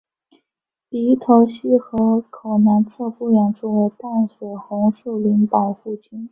鼻头溪河口南侧不远处为淡水红树林保护区。